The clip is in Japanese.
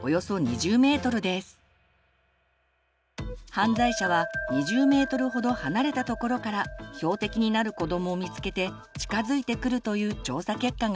犯罪者は２０ｍほど離れたところから標的になる子どもを見つけて近づいてくるという調査結果があります。